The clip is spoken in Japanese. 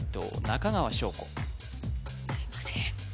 中川翔子